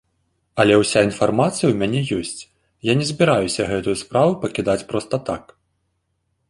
Але ўся інфармацыя ў мяне ёсць, я не збіраюся гэтую справу пакідаць проста так.